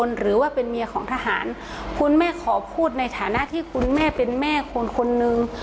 หรือว่าเป็นเมียของทหารคุณแม่ขอพูดในฐานะที่คุณแม่เป็นแม่คนคนนึง